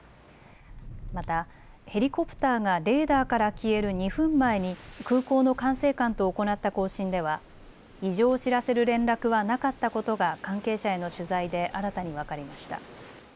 またヘリコプターがレーダーから消える２分前に空港の管制官と行った交信では異常を知らせる連絡はなかったことが関係者への取材で新たに分かりました。